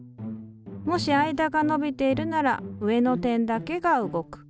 もし間が伸びているなら上の点だけが動く。